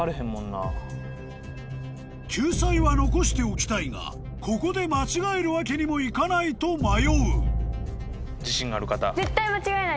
救済は残しておきたいがここで間違えるわけにもいかないと迷うあれ！